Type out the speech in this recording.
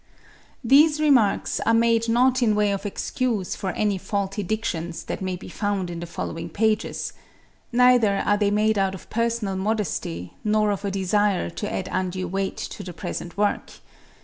These remarks are made not in way of excuse for any faulty dictions that may be found in the following pages. Neither are they made out of personal modesty nor of a desire to add undue weight to the present work.